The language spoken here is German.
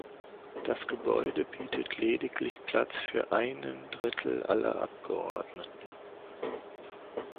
Das Gebäude bietet lediglich Platz für einen Drittel aller Abgeordneten.